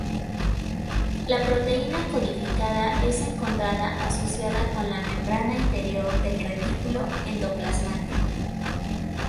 La proteína codificada es encontrada asociada con la membrana interior del retículo endoplasmático.